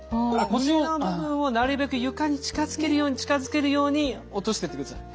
胸の部分をなるべく床に近づけるように近づけるように落としてってください。